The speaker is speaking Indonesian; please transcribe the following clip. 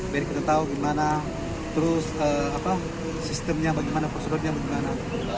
biar kita tahu gimana terus sistemnya bagaimana prosedurnya bagaimana